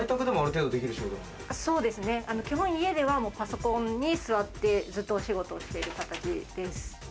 基本、家ではパソコンに座ってずっとお仕事をしている形です。